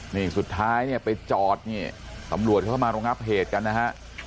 นี่สุดท้ายเนี่ยไปจอดนี่ตำรวจเข้ามารองับเหตุกันนะฮะ